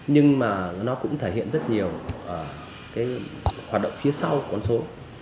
nhưng mà nó cũng thể hiện rất nhiều cái hoạt động phía sau con số